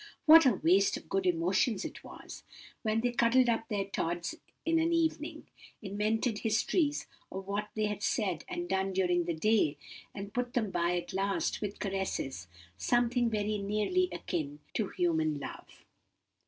What a waste of good emotions it was, when they cuddled up their Tods in an evening; invented histories of what they had said and done during the day, and put them by at last with caresses something very nearly akin to human love!"